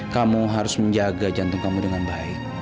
kamu harus menjaga jantung kamu dengan baik